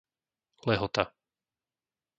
Lehota